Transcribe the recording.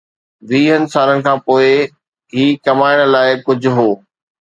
ويهن سالن کان پوء، هي ڪمائڻ لاء ڪجهه هو؟